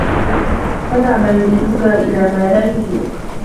فَدَعْ مَا يَرِيبُك إلَى مَا لَا يَرِيبُك